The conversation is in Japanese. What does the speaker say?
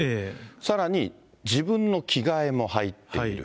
さらに、自分の着替えも入っている。